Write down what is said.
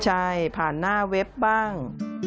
ใช่ผ่านหน้าเว็บบ้าง